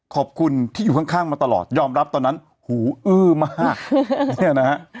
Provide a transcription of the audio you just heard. ขอบคุณที่อยู่ข้างมาตลอดยอมรับตอนนั้นหูอื้อมากเนี่ยนะฮะ